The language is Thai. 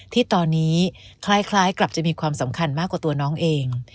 ที่ตอนนี้คล้ายกลับจะมีความสำคัญมากกว่าตัวน้องเอง